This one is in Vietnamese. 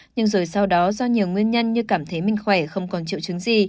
nhưng rồi sau đó do nhiều nguyên nhân như cảm thấy minh khỏe không còn triệu chứng gì